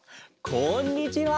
こんにちは！